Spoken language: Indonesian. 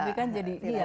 tapi kan jadi